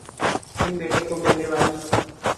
کن بیٹے کو ملنے والی